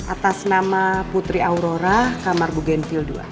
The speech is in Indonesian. atas nama putri aurora kamar bu genvil dua